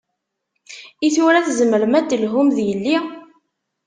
I tura tzemrem ad d-telhum d yelli?